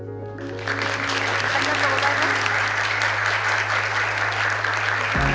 ありがとうございます。